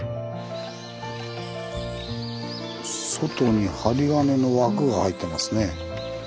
外に針金の枠が入ってますね。